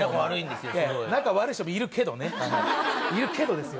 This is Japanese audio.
すごい仲悪い人もいるけどねいるけどですよ